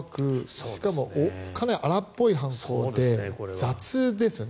しかも、かなり荒っぽい犯行で雑ですよね。